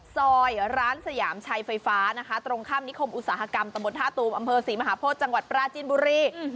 ซอยร้านสยามชัยไฟฟ้านะคะตรงข้ามนิคมอุตสาหกรรมตะบนท่าตูมอำเภอศรีมหาโพธิจังหวัดปราจีนบุรี